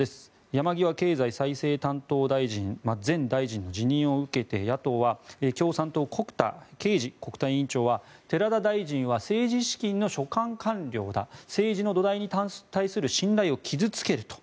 山際経済再生担当前大臣の辞任を受けて野党は共産党穀田恵二国対委員長は寺田大臣は政治資金の所管官僚だ政治の土台に対する信頼を傷付けると。